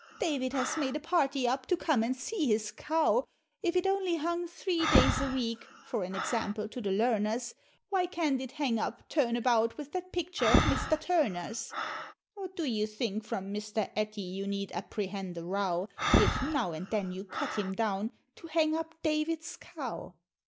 David has made a party up, to come and see his Cow If it only hung three days a week, for an example to the learners Why can't it hang up, turn about, with that picture of Mr. Turner's? Or do you think from Mr. Etty you need apprehend a row, If now and then you cut him down to hang up David's Cow!